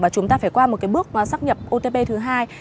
và chúng ta phải qua một bước xác nhập otp thứ hai